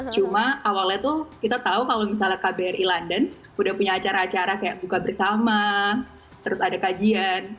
cuma awalnya tuh kita tahu kalau misalnya kbri london udah punya acara acara kayak buka bersama terus ada kajian